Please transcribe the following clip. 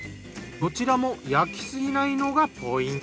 どちらも焼きすぎないのがポイント。